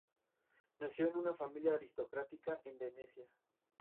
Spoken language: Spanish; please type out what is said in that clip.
Sus restos descansan en el mausoleo de la Catedral de Copiapó.